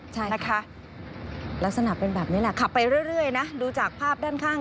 ใช่นะคะลักษณะเป็นแบบนี้แหละขับไปเรื่อยนะดูจากภาพด้านข้าง